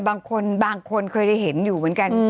บางคนบางคนเคยได้เห็นอยู่เหมือนกัน